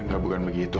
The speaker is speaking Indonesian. gak bukan begitu